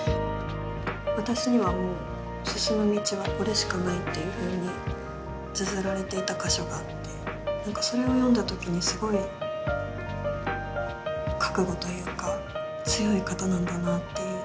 「私にはもう進む道はこれしかない」というふうにつづられていた箇所があってそれを読んだ時にすごい覚悟というか強い方なんだなっていう。